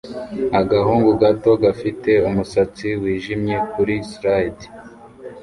Agahungu gato gafite umusatsi wijimye kuri slide